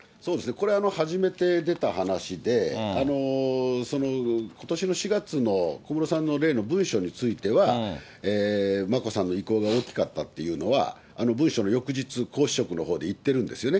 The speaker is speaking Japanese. これは初めて出た話で、ことしの４月の小室さんの例の文書については、眞子さんの意向が大きかったというのは、あの文書の翌日、皇嗣職のほうで言ってるんですよね。